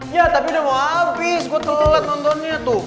ya tapi udah mau habis gue telat nontonnya tuh